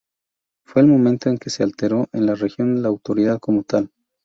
Fue el momento en que se alteró en la región la autoridad como tal.